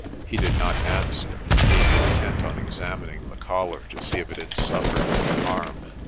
He did not answer, being intent on examining the Collar to see if it had suffered any harm.